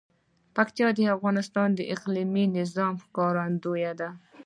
پکتیا د افغانستان د اقلیمي نظام ښکارندوی ده.